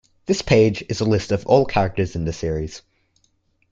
This page is a list of all characters in the series.